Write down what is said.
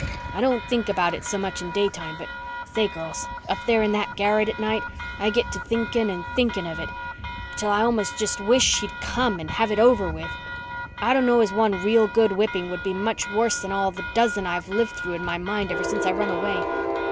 I don't think about it so much in daytime but say, girls, up there in that garret at night I git to thinking and thinking of it, till I just almost wish she'd come and have it over with. I dunno's one real good whipping would be much worse'n all the dozen I've lived through in my mind ever since I run away.